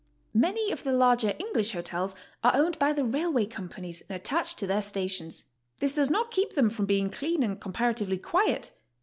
Many of the larger English hotels are owned by the rail way companies and attached to their stations. This does not keep them from being clean and comparatively qUiet.